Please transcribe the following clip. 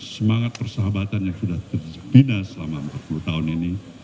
semangat persahabatan yang sudah terbina selama empat puluh tahun ini